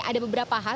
ada beberapa hal